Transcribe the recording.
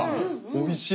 おいしい！